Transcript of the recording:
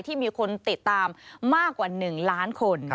ที่มีคนติดตามมากกว่า๑ล้านคน